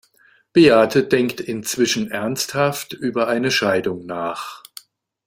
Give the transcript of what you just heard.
Beate denkt inzwischen ernsthaft über eine Scheidung nach.